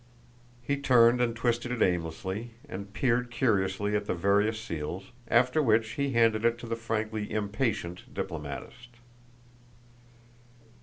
He turned and twisted it aimlessly, and peered curiously at the various seals, after which he handed it to the frankly impatient diplomatist.